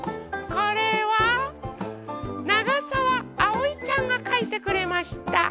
これはながさわあおいちゃんがかいてくれました。